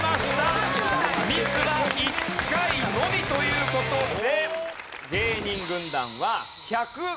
ミスは１回のみという事で。